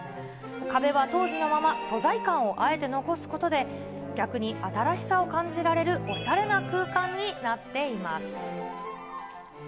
壁は当時のまま、素材感をあえて残すことで、逆に新しさを感じられるおしゃれな空間になっています。